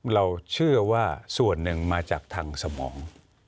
เราเชื่อว่าส่วนหนึ่งมาจากทางสมอง